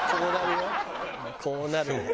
こうなる。